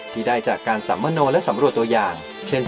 ที่ได้จากการสัมมโนและสำรวจตัวอย่างเช่น